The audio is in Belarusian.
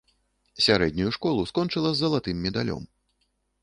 Сярэднюю школу скончыла з залатым медалём.